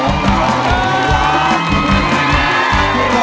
มายเด็ก